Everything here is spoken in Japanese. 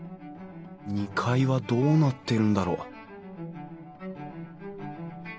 ２階はどうなっているんだろう？